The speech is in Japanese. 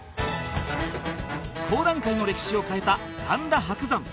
講談界の歴史を変えた神田伯山